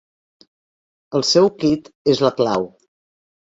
El seu quid és la clau.